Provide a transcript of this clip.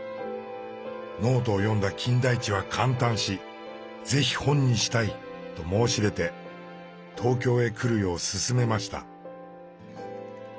ノートを読んだ金田一は感嘆し「是非本にしたい」と申し出て東京へ来るよう勧めました。